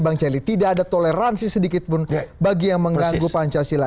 bang celi tidak ada toleransi sedikitpun bagi yang mengganggu pancasila